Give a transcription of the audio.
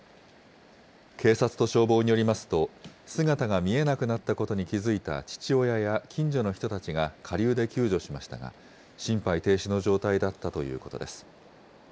警察と消防によりますと、姿が見えなくなったことに気付いた父親や近所の人たちが下流で救助しましたが、心肺停止の状態だったということです。